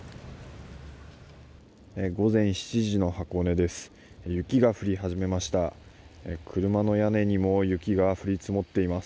午前７時の箱根です。